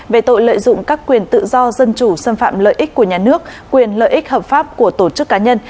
về tội lợi dụng các quyền tự do dân chủ xâm phạm lợi ích của nhà nước quyền lợi ích hợp pháp của tổ chức cá nhân